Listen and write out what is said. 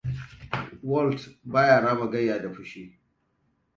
Walt baya rama gayya da fushi.